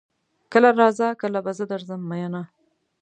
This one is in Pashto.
کله راځه کله به زه درځم ميينه